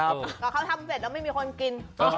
เพราะเขาทำเสร็จแล้วไม่มีคนกิน